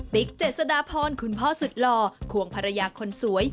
เจษฎาพรคุณพ่อสุดหล่อควงภรรยาคนสวย